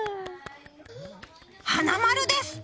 花丸です！